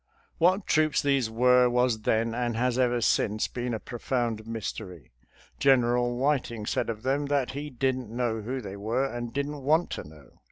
What troops these were, was then and has ever since been a profound mystery. General Whiting said of them that " he didn't know who they were, and didn't want to know."